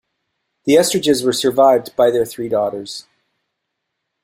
The Estridges were survived by their three daughters.